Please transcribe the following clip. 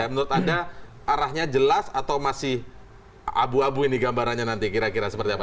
menurut anda arahnya jelas atau masih abu abu ini gambarannya nanti kira kira seperti apa